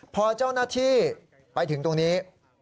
พอเจ้าหน้าที่ไปถึงตรงนี้